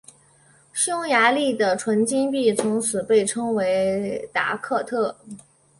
匈牙利的纯金币从此被称为达克特。